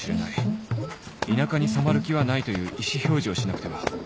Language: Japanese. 田舎に染まる気はないという意思表示をしなくては